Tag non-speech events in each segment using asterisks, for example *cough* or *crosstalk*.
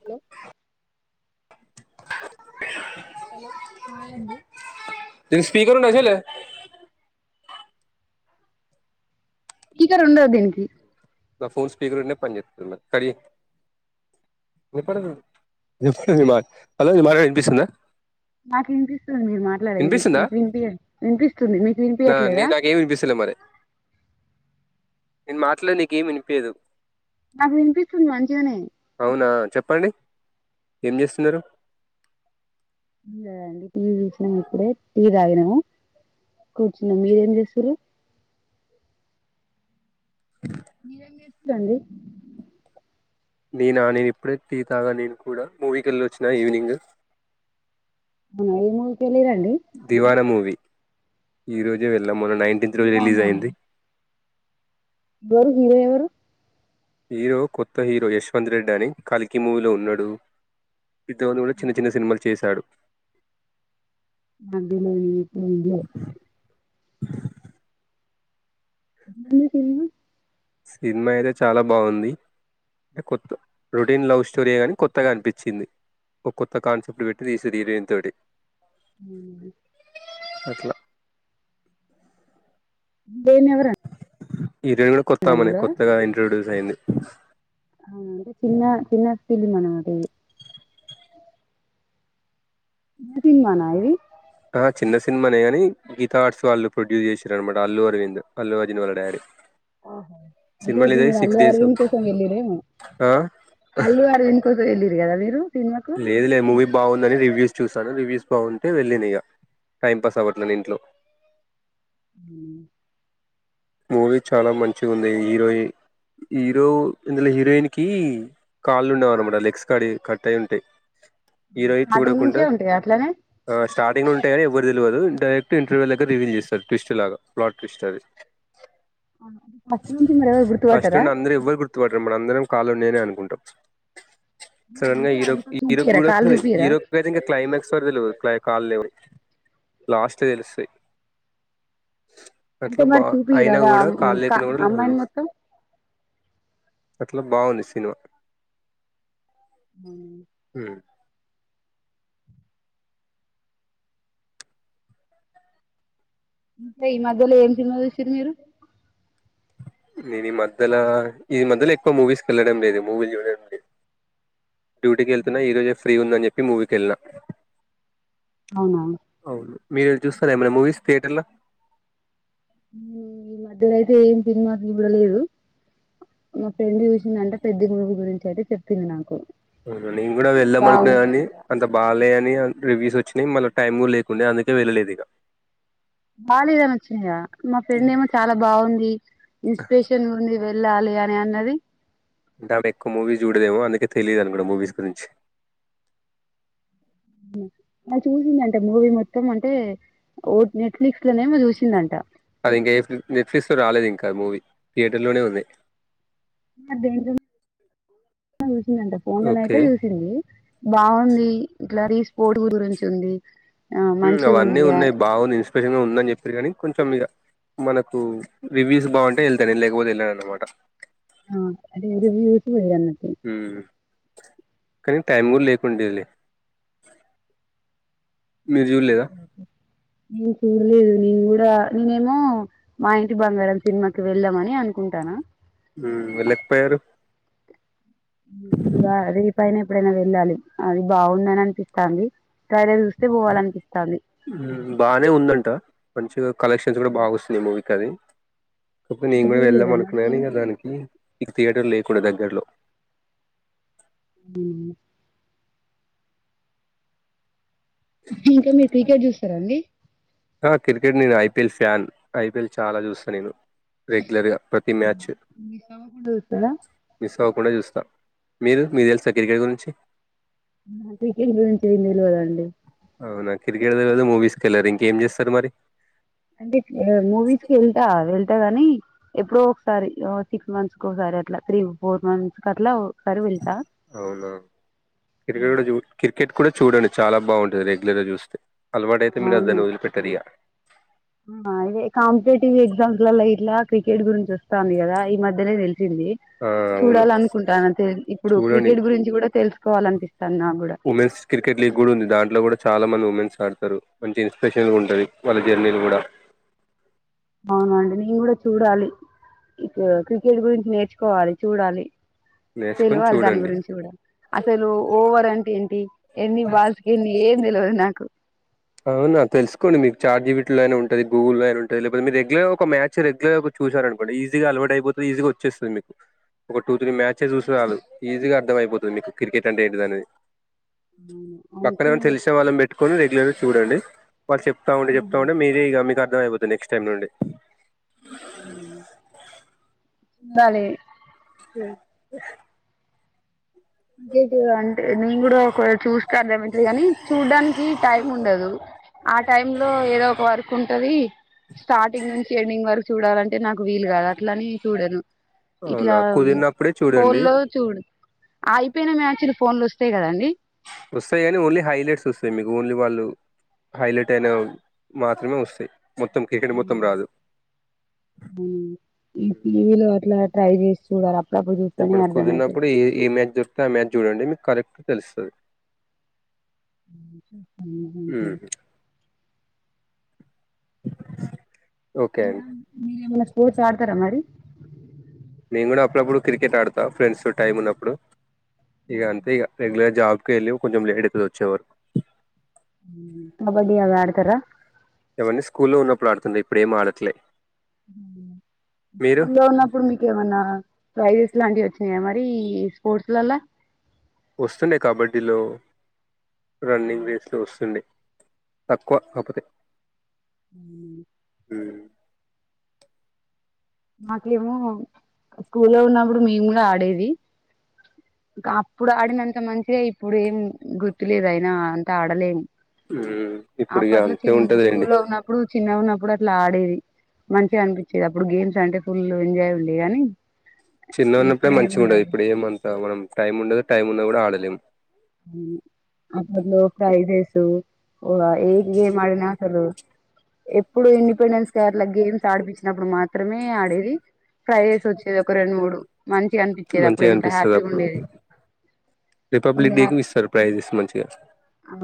Hello hello హయండి త speaker నషీలే స్పీకర్ ఉండదు దీనికి నా ఫోన్ స్పీకర్ ఉన్న పని చేేత్తది డి హలో ఈ మాట వినిపిస్తుందా మాకు వినిపిస్తుంది మీరు మాట్లాడేది వినిపిస్తుందా మీకు వినిపియ్య వినిపిస్తుంది మీకు వినిపియ్యట్లేదా ఇల మరె నేను మాట్లాడి నీకేమి వినిపియదు నాకు వినిపిస్తుంది మంచిగనే అవునా చెప్పండి ఏం చేస్తున్నారు ఏం లేదు అండి టీవీ చూసినం ఇప్పుడే టీ తాగినము కూర్చున్నాం మీరేం చేస్తురు మీరేం చేస్తుర్రు అండి నేన నేను ఇప్పుడే టీ తాగినా నేను కూడా మూవీ కెళ్ళి వచ్చిన ఈవినింగ్ అవున ఏ మూవి దివాన మూవీ ఈరోజే వెళ్ళాం మొన్న నైన్టీన్త్ రోజు రిలీజ్ అయింది ఎవరు హీరో ఎవరు హీరో కొత్త హీరో యశ్వంత్ రెడ్డి అని కల్కి మూవీలో ఉన్నాడు ఇద్ద కూడా చిన్న చిన్న సినిమాలు చేశాడు అదిలే నేనెప్పుడూ వినలే మళ్లీ తిన్న సినిమా అయితే చాలా బాగుంది అంటే కొత్త రొటీన్ లవ్ స్టోరీ గాని కొత్తగా అనిపించింది ఒక కొత్త కాన్సెప్ట్ పెట్టి తీసి హీరేన్ తోటి ఊహు అట్లా హీరోయిన్ ఎవరండి హీరోయిన్ కూడా కొత్తామినే అందులో కొత్తగా ఇంట్రొడ్యూస్ అయియంది అ అంటే చిన్న చిన్న ఫిలీమ్ అన్నమాట ఇది చిన్న సినిమానా ఇది ఆ చిన్న సినిమానే కానీ గీత ఆర్ట్స్ వాళ్ళు ప్రొడ్యూస్ చేశారు అనమాట అల్లు అరవింద్ అల్లు అర్జున్ వాళ్ళ డాడి ఆహా అంటే ఇప్పుడు మీరు అల్లు అరవింద్ కోసం వెళ్ళడేమో ఆ అల్లు అరవింద్ కోసం వెళ్లారు కదా మీరు సినిమాకు లేదు లేదు మూవీ బాగుందని రివ్యూస్ చూసాను రివ్యూస్ బాగుంటే వెళ్ళిన ఇక టైం పాస్ అవ్వట్లేని ఇంట్లో ఉ మూవీ చాలా మంచి ఉంది హీరోయిన్ హీరో ఇందులో హీరోయిన్ కి కాళ్ళు ఉండవు అన్నమాట లెగ్స్ కాడి కట్ అయి ఉంటాయి ఈ రోజు స్టార్టింగ్ చూడకుండా నుంచే ఉంటాయా అట్లనే ఆ స్టార్టింగ్ లో ఉంటాయ కానీ ఎవ్వరు తెలియదు డైరెక్ట్ ఇంటర్వ్యూ దగ్గర రివూ చేస్తారు ట్స్ట్ లాగా ప్లాట్స్ట్ అది ఫస్ట్ నుంచి మీరు ఎవరు ఫస్ట్ గుర్తుపట్టారా నుండి అందరు ఎవ్వరు గుర్తుపడారు మన అందరం కాలు ఉన్నాయని అనుకుం కుంటాం సడన్ గా హీరో హీరో చూపియరా కూడా కాళ్ళు చూపియరా హీరో అయితే ఇంకా క్లైమాక్స్ వర తెలియదు కాల్ లేవు అన్ని లాస్ట్ తెలుస్తా అంటే అట్లా బా మరి చూపియరా అయినా వా కూడా కా కాళలేకున కూడా అమ్మాయిని లివ్ మొత్తం అట్లా బావుంది సినిమా ఉ ఇకా ఈ మధ్యలో ఏం సినిమాలు చూసిర్రు మీరు నేను ఈ మధ్యలో ఈ మధ్యలో ఎక్కువ మూవీస్కి వెళ్లడం లేదు మూవీలు చూడడం లేదు డ్యూటీకి వెళ్తున్నా ఈ రోజే ఫ్రీ ఉందని చెప్పి మూవీకిళ్ళిన అవునా మీరు చూస్తార ఏమైనా మూవీస్ థియేటర్ల ఈ మధ్యలోతే ఏం సినిమాలు చూడలేదు మా ఫ్రెండ్ చూసింది అంటే పెద్ద మూవీ గురించి అయితే చెప్పింది నాకు అవును నేను కూడా వెళ్ళాం అనుకున్నా కాని బాగుందంట అంత బాగాలే అని రివ్యూస్ వచ్చినాయి మళ టైం లేకుండా అందుకే వెళ్ళలేదు ఇక బాలేదని వచ్చినాయా మా ఫ్రెండ్ ఏమో చాలా బాగుంది ఇన్స్పిరేషన్ ఉంది వెళ్ళాలి అనే అన్నది అంటే ఆవిడ ఎక్కువ మూవీస్ చూడదేమో అందుకే తెలియదు అనుకో మూవీస్ గురించి అది చూసిందింట మూవీ మొత్తం అంటే ఓటి నెట్ఫ్లిక్స్ లోనేమో చూసిందంట అది ఇంకా ఏ నెట్ఫ్లిక్స్ రాలేదు ఇంకా మూవీ థియేటర్ లోనే ఉంది *unintelligible* అంటే ఫోన్ లోనైతే ఓకే చూసింది బాగుంది ఇట్లా రీస్పోర్ట్ గురించి ఉంది ఆ ఉమ్ మంచిగా అవన్నీ ఉంది ఆ ఉన్నాయి బాగుంది ఇన్స్పిరేషన్ గా ఉందని చెప్పిన్రూ కానీ కొంచెం ఇక మనకు రివ్యూస్ బావుంటే ఎంత వెళ్ళాను అనమాట ఆ అదేరు వ్యూరు పోడిన్నటి కానీ టైం కూడా లేకుండేలే మీరు చూడలేదా ఉహుమ్ మీకు లేదు నేను కూడా నేనేమో మా ఇంటి బంగారం సినిమాకి వెళ్ళాదమని అనుకుంటాన ఉమ్ వెళ్ళకపోయారు ఈ పైన ఎప్పుడైనా వెళ్ళాలి అది బాగుందని అనిపిస్తోంది కానీ బానే ఉందంట మంచిగా కలెక్షన్స్ కూడా బాగా వస్తున్నాయి మూవీ కవి కాకపోతే నేను మీరు కూడా వెళ్ళాం చూడలేదా అనుకున్నాను దానికి ఇక థియేటర్ లేకుండే దగ్గరలో ఉమ్ ఇంకా మీరు క్రికెట్ చూస్తారండి ఆ క్రికెట్ నేను ఐపీఎల్ ఫ్యాన్ ఐపీఎల్ చాలా చూస్తా నేను రెగ్యులర్గా ప్రతి మ్యాచ్ చూస్తారా మిస్ అవ్వకుండా చూస్త మీరు మీకు తెలుసా క్రికెట్ గురించి క్రికెట్ గురించి ఏం తెల్వదండి అవునా క్రికెట్ తెలవదు మూవీస్కెళ్ళారు ఇంకేం చేస్తారు మరి అంటే మూవీస్క్ వెళ్తా వె ళ్తాగానీ ఎప్పుడో ఒకసారి సిక్స్ మంత్స్ ఒకసారి అట్లా త్రీ ఫోర్ మంత్స్ అట్లా ఒకసారి వెళ్తా అవునా క్రికెట్ చూ క్రికెట్ కూడా చూడండి చాలా బాగుంటంది రగ్యుర్ గా చూస్తే అలవాటు అయితే మీరు దానీ వదిలి పెట్టారు ఇగ అదే కాంపిటేటివ్ ఎక్సామ్స్ల గిట్ల క్రికెట్ గురించి వచ్ స్తుంది కదా ఈ మధ్యనే తెలిసింది ఆ అవును చూడాలనుకుంటాను ఆ ఇప్పుడు చూడండి క్రికెట్ గురించి కూడా తెలుసుకోవాలినిపి ఉమెన్స్ క్రికెట్ లీగ్ కూడా ఉంది దాంట్లో కూడా చాలా మంది ఉమెన్ స్ ఆడతారు మంచి ఇన్స్పిరేషన్గా కూడా ఉంటది వాళ్ళ జర్నీలు కూడా అవునండి నేను కూడా చూడాలి ఇక క్రికెట్ గురిం నేర్చుకోవాలి చూడాలి నేర్చుకొని తెలవాలి దాని చూడండి గురించి కూడా అసలు ఓవర్ అంటే ఏంటి ఎన్ని బాల్స్ కి ఎన్ని ఏం తెలవదు నాకు అవునా తెలుసుకోండి మీకు చాట్జీపీటీ లోనయిన ఉంటది గూగుల్ లో అయిన ఉంటుంది లేకపోతే మీరు రెగ్యులర్ ఒక మ్యాచ్ రెగ్యుర్గా చూ సారు అనుకోండి ఈజీగా అలవాటు అయిపోతుంది ఈజీగా వచ్చేస్తుంది మీకు ఒక టూ త్రీ మ్యాచెస్ చూస్తే చాలు ఈజీగా అర్థమయిపోతుంది మీకు క్రికెట్ అంటే ఏంటిదనేది అవును అవును, పక్కన ఎవరైనా చూ తెలిసీన వాళ్ళనీ పెట్టుకొని రెగ్యులర్ చూడండి వాళ్ళు చెప్తా ఉండి చెప్తా ఆహా ఉంటే మీరే ఇక మీకు అర్థమైపోతుంది నెక్స్ట్ టైమ్ నుండి బలే అ నెగటివ్ అంటే నేను కూడా ఒక చూస్తామంటిని కానీ చూడ్డానికి టైం ఉండదు ఆ టైంలో ఏదో ఒక వర్క్ ఉంటది స్టార్టింగ్ నుంచి ఎండింగ్ వరక్ అంటే నాకు వీలు కాదు అట్లని చూడను అవునా ఇట్లా కుదిరినప్పుడే ఫోన్ చూడండి లో చూడు అయిపోయిన మ్యాచులు ఫోన్ లో వస్తాయి కదండి. వస్తాయి గానీ ఓన్లీ హైలైట్స్ వస్తాయి మీకు ఓన్లీ వాళ్ళు హైలైట్ అయినఉన్ మాత్రమే వస్తాయి. మొత్తం క్రికెట్ మొత్తం రాదు ఈ లో అట్లా ట్రై చేసి చూడాలి అప్పుడప్పుడు చూస్తేనే ఇప్పుడు అర్థమైతది కుదిరినప్పుడు ఏ ఏ మ్యాచ్ దొరికితే ఆ మ్యాచ్ చూడండి మీకు కరెక్ట్ తెలుస్తది. అన్న *unintelligible* ఇప్పుడు మెసేజ్ పెట్టలే ఈయల స్పోర్ట్స్ ఆడతారా మరి? నేను కూడా అప్పుడప్పుడు క్రికెట్ ఆడతా ఫ్రెండ్స్ తో టైమ్ ఉన్నప్పుడు ఇగ అంతే ఇగ రెగ్యులర్ జాబ్ కెళ్ళి కొంచెం లేట్ అయితది వచ్చే వరకు కబడ్డి అది ఆడతార? అవన్నీ స్కూల్లో ఉన్నప్పుడు ఆడుతుండే ఇప్పుడు ఏం ఆడట్లే మీరు స్కూల్ లో ఉన్నప్పుడు మీకేమన్నా ప్రైజ్ లాంటి వచ్చినాయా మరి ఈ స్పోర్ట్స్ లల్ల? వస్తుండే కబడ్డీలో రన్నింగ్ రేస్లు వస్తుండే తక్కువ ఆపతే అ ఉ మాకేమో స్కూల్లో ఉన్నప్పుడు మేము గూడా ఆడేది ఇంకా అప్పుడు ఆడినంత మంచిగా ఇప్పుడు ఏం గుర్తులేదు. అయినా అంత ఆడలేము. ఉమ్ ఇప్పుడు ఇక అప్పట్లో అంతే చిన్న ఉంటదిలేండి స్కూల్ లో ఉన్నప్పుడు చిన్నగా ఉన్నప్పుడు అప్పుడు అట్లా ఆడేది మంచిగా అనిపించేది. అప్పుడు గేమ్స్ అంటే ఫుల్ ఎంజాయ్ ఉండే గాని చిన్నగా ఉన్నప్పుడే మంచి ఉండేది. ఇప్పుడేముండదు ఇప్పుడు ఏమంతా మనం టైం ఉండదు, టైం ఉన్న కూడా ఆడలేం. అప్పట్లో ఫ్రై రైసు ఓగ ఏజ్ గేమ్ ఆడిన అసలు ఎప్పుడు ఇండిపెండెన్స్ కేరల గేమ్స్ ఆడిపించినప్పుడు మాత్రమే ఆడేది. ట్రై చేసి వచ్చేది ఒక రెండు మూడు మంచిగా అనిపించేది అప్పుడు మంచిగా ఇంత అనిపిస్తది హ్యాపీగా అప్పుడు ఉండేది. ఫుల్ రిపబ్లిక్ డేకి హ్యాపీ. మీకు సర్ప్రైజ్స్ మంచిగా ఆ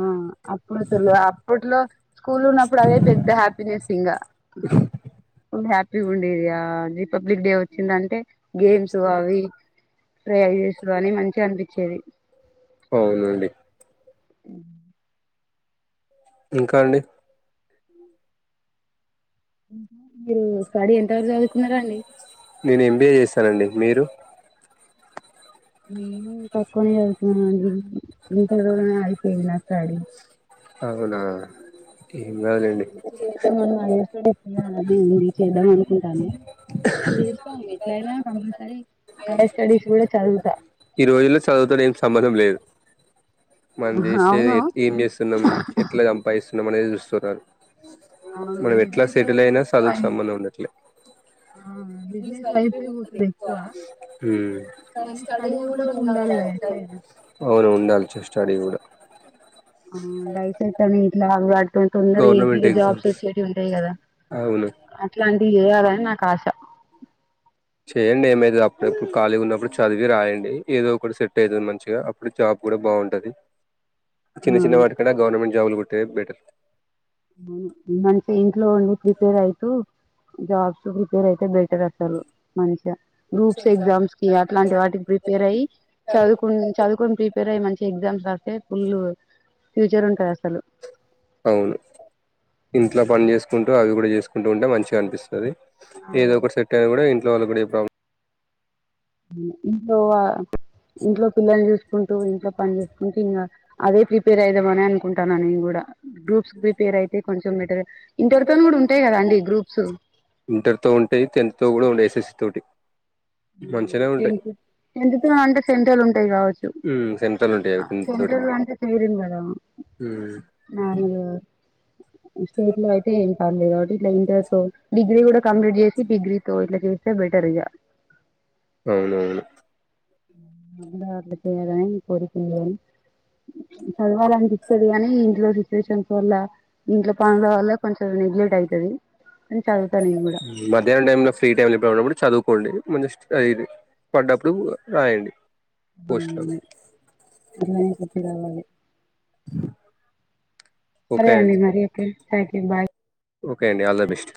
అప్పుడుసలు అప్పట్లో స్కూల్ ఉన్నప్పుడు అదే పెద్ద హ్యా పినేస్ ఇంగ ఫుల్ హ్యాపీగా ఉండేదిగాది రిపబ్లిక్ డే వచ్చిందంటే గేమ్స్ అవి ట్రై అవి చేస్తు అని మంచిగా అనిపించేది. అవునండి అ ఇంకా అండి మీరు స్టడీ ఎంత వరకు చదువుకున్నారండి? నేను ఎంబిఏ చేసానండి మీరు? నేను తక్కువనే చదుగుతున్నాను అండి ఇంటర్ లోనా ఆగిపోయింది ఒకసారి అవునా డి అ చేద్దమను అనుకుంటే ఇగ అది చేద్దమని అనుకుంటాము. చేస్తాం ఎట్లైనా కంపల్సరి హైయర్ స్టడిస్ కూడా చ ఈ రోజుల్లో చదువుతోని ఏం సంబంధం లేదు. మంది ఆహా, అవును సేవియత్ ఏం చేస్తున్నాం, ఎట్లా సంపాదిస్తున్నాం అనేది చూస్తున్నారు. అవును అవును మనం ఎట్లా బిజినెస్ సెటిల్ అయినా చదువుకు సంబంధం ఉండట్లే. ఆ మీ బిజినెస్ సైడ్ వైపే బిజినెస్లు పోతది ఎక్కువ ఉమ్ అవును ఉండాలి సార్ స్టడీ కూడా ఆ దయసేట్ అని ఇంట్లా ఆలాడుతు తొందర గవర్నమెంట్ ఈజీగా జాబ్స్ ఎగ్జామ్స్ వచ్చేవి ఉంటాయి కదా అవును చెయ్యాలని నాకు ఆశ చేయండి ఏమైతుంది అప్పుడప్పుడు ఖాళీ ఉన్నప్పుడు చదివి రాయండి ఏదో ఒక సెట్ అవుతుంది మంచిగా అప్పుడు జాబ్ కూడా బాగుంటది చిన్న ఆ, చిన్న వాటిక గవర్నమెంట్ జాబులు కొట్టే బెటర్ వు మంచిగా ఇంట్లో ఉండి ప్రిపేర్ అవుతూ జాబ్స్ ప్రిపేర్ అయితే బెటర్ అసలు మంచి గ్రూప్స్ ఎగ్జామ్స్ కి అట్లాంటి వాటికి ప్రిపేర్ అయ్యి చదువు చదువుని ప్రిపేర్ అయ్యి మంచి ఎగ్జామ్స్ రాస్తే ఫుల్ ఫ్యూచర్ ఉంటంది అసలు అవును ఇంట్లో పని చేసుకుంటూ అవి కూడా చేసుకుంటూ ఉంటే మంచిగా అనిపిస్తుంది ఏదో అవును ఒకటి సెట్ అయినా కూడా ఇంట్లో వాళ్లకు కూడా ఏ ప్రాబ్లం టువ ఇంట్లో పిల్లని చూసుకుంటూ ఇంట్లో పని చేసుకుంటూ ఇంకా అదే ప్రిపేర్ అయిదాంమని అనుకుంటాన్నాను ఇం గ్రూప్స్ ప్రిపేర్ అయితే కొంచెం మెట ఇంటిరితో కూడా ఉంటాయి కదా అండి గ్రూప్స్ ఇంటర్ తో ఉంటే టెన్త్ తో కూడా ఉ ఎస్ఎస్సి తోటి ఉ మంచిగానే ఉంటాయి టెన్త్ అంటే సెంట్రలు ఉంటాయి కావచ్చు ఉమ్, సెంట్రల్ ఉంటాయి అవి టెన్త్ తోటి సంటరు అంట సరు కదా ఉమ్, నాలు స్టేట్ లో అయితే ఏం పర్లేదు కాబట్టి ఇట్లా ఇంటర్ తో డిగ్రీ కూడా కంప్లీట్ చేసి డిగ్రీ తో చేస్త బెటర్ ఇగా అవునవును అ చేదనే కోరికలు కానీ చదవాలి అనిపిస్తుంది కానీ ఇలో సిచువేషన్స్ వల్ల ఇంట్లో పనుల వల్ల కొంచెం నెగ్లెక్ట్ అవుతది మధ్యాహ్నం టైమ్ లో ఫ్రీ టైమ్ లో ఉన్నప్పుడు చదువు కోండి మినిట్ పడ్డప్పుడు రాయండి పోస్టులను అలా ఏ కొట్టిరావాలి సరే అండి మరి ఓకే థాంక్యూ బాయ్ ఓకే అండి ఆల్ ద బెస్ట్